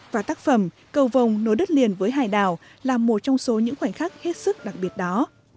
và tác phẩm cầung nối đất liền với hải đảo là một trong số những khoảnh khắc hết sức đặc biệt đó